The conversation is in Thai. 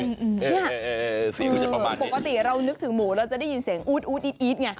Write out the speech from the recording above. เนี่ยปกติเรานึกถึงหมูแล้วจะได้ยินเสียงอู๊ดอู๊ดอี๊ดอี๊ด